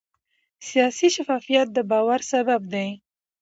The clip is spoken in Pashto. سیاسي شفافیت د باور سبب دی